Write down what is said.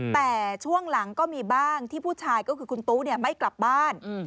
แต่ช่วงหลังก็มีบ้างที่ผู้ชายก็คือคุณตู้ไม่กลับบ้าน